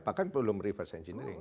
bahkan belum reverse engineering